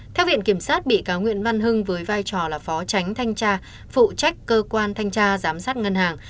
theo viện kiểm sát bị cáo nguyễn văn hưng với vai trò là phó tránh thanh tra phụ trách cơ quan thanh tra giám sát ngân hàng